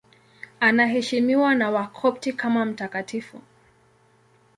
Anaheshimiwa na Wakopti kama mtakatifu.